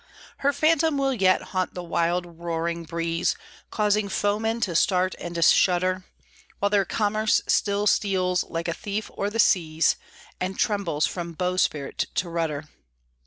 Her phantom will yet haunt the wild roaring breeze, Causing foemen to start and to shudder, While their commerce still steals like a thief o'er the seas, And trembles from bowsprit to rudder.